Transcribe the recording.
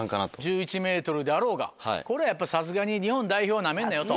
１１ｍであろうがこれはやっぱさすがに日本代表をナメんなよと。